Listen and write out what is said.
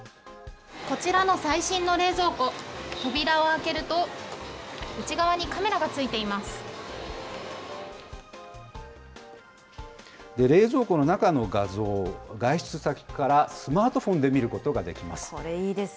こちらの最新の冷蔵庫、扉を開けると、内側にカメラが付いて冷蔵庫の中の画像を、外出先からスマートフォンで見ることができます。